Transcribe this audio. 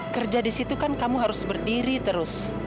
kerja di situ kan kamu harus berdiri terus